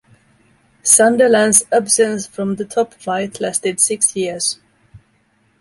Sunderland's absence from the top flight lasted six years.